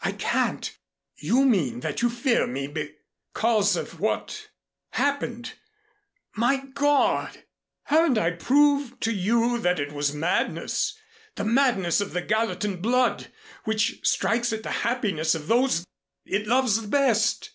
"I can't. You mean that you fear me because of what happened My God! Haven't I proved to you that it was madness, the madness of the Gallatin blood, which strikes at the happiness of those it loves the best?